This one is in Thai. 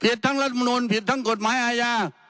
ผิดทั้งรัฐมนุนผิดทั้งกฎหมายอาญา